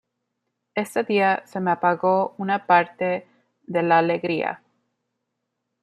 Ese día se me apagó una parte de la alegría.